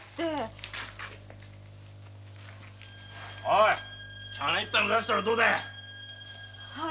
おい茶の一杯も出したらどうだ。